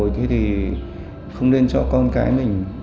thế thì không nên cho con cái mình